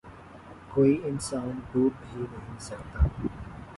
کوئی انسان ڈوب بھی نہیں سکتا